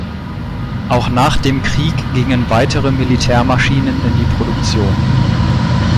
Auch nach dem Krieg gingen weitere Militärmaschinen in die Produktion.